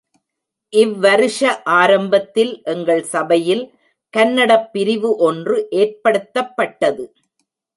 இவ் வருஷ ஆரம்பத்தில் எங்கள் சபையில் கன்னடப் பிரிவு ஒன்று ஏற்படுத்தப்பட்டது.